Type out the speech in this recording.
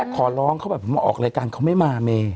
ขอร้องเขาแบบมาออกรายการเขาไม่มาเม